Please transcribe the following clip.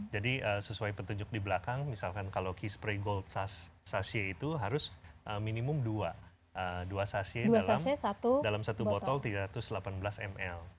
jadi sesuai petunjuk di belakang misalkan kalau key spray gold sachet itu harus minimum dua sachet dalam satu botol tiga ratus delapan belas ml